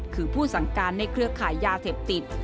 คือผู้สั่งการในเครือขายยาเสพติด